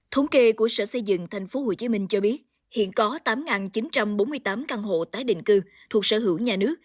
thông tin từ sở xây dựng tp hcm cho biết hiện có tám chín trăm bốn mươi tám căn hộ tái định cư thuộc sở hữu nhà nước